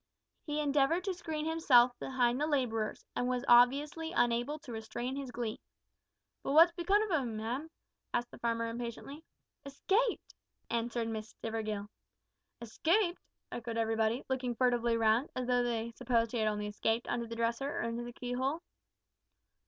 He endeavoured to screen himself behind the labourers, and was obviously unable to restrain his glee. "But what's come of 'im, ma'am?" asked the farmer impatiently. "Escaped!" answered Miss Stivergill. "Escaped!" echoed everybody, looking furtively round, as though they supposed he had only escaped under the dresser or into the keyhole.